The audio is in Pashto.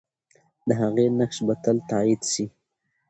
د هغې نقش به تل تایید سي.